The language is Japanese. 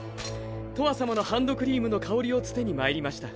とわさまのハンドクリームの香りをつてに参りました。